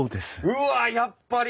うわやっぱり！